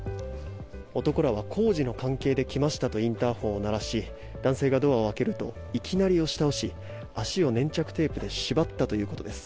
男らは工事の関係で来ましたとインターホンを鳴らし男性がドアを開けるといきなり押し倒し足を粘着テープで縛ったということです。